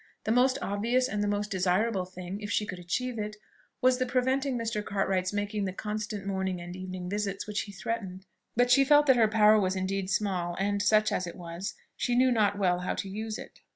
The most obvious and the most desirable thing, if she could achieve it, was the preventing Mr. Cartwright's making the constant morning and evening visits which he threatened; but she felt that her power was indeed small, and, such as it was, she knew not well how to use it.